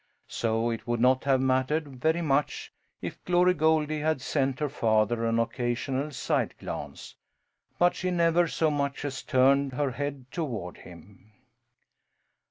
So it would not have mattered very much if Glory Goldie had sent her father an occasional side glance; but she never so much as turned her head toward him.